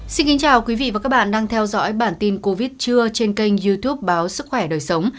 xin kính chào quý vị và các bạn đang theo dõi bản tin covid trưa trên kênh youtube báo sức khỏe đời sống